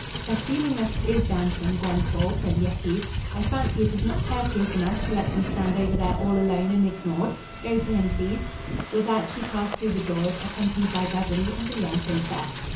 "Assuming that it is Dantan, Grenfall," said Yetive, "I fancy it is not courteous in us to let him stand over there all alone and ignored. Go to him, please." With that she passed through the doors, accompanied by Beverly and the young princess.